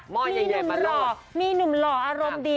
มีหนุ่มหล่อมีหนุ่มหล่ออารมณ์ดี